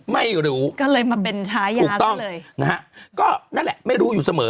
ไม่รู้ถูกต้องนะฮะก็นั่นแหละไม่รู้อยู่เสมอ